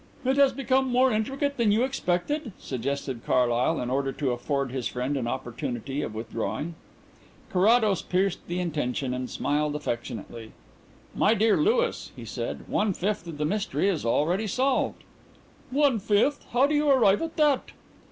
"It has become more intricate than you expected?" suggested Carlyle, in order to afford his friend an opportunity of withdrawing. Carrados pierced the intention and smiled affectionately. "My dear Louis," he said, "one fifth of the mystery is already solved." "One fifth? How do you arrive at that?"